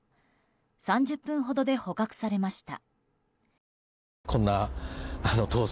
３０分ほどで捕獲されました。